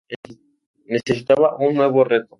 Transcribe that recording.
Necesitaba un nuevo reto".